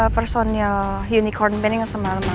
personil unicorn band yang sama sama lo